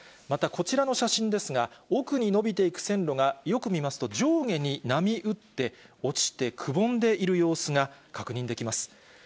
また、こちらの写真ですが、奥に延びていく線路が、よく見ますと上下に波打って、落ちてくぼんでいる様子が確認できます。